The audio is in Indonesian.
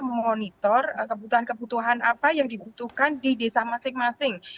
memonitor kebutuhan kebutuhan apa yang dibutuhkan di desa masing masing